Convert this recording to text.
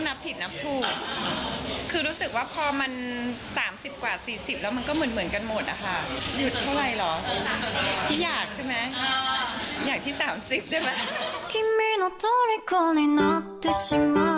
อยากที่สามสิบได้ไหม